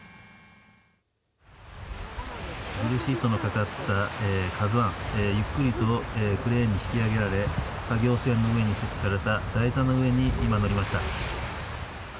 ブルーシートのかかったＫＡＺＵＩ、ゆっくりとクレーンに引き揚げられ、作業船の台座の上に今、載りました。